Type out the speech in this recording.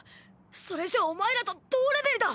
それじゃお前らと同レベルだ。